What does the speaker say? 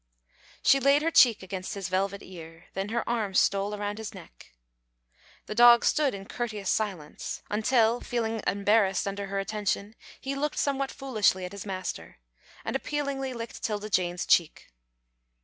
She laid her cheek against his velvet ear. Then her arm stole around his neck. The dog stood in courteous silence, until, feeling embarrassed under her attention, he looked somewhat foolishly at his master, and appealingly licked 'Tilda Jane's cheek.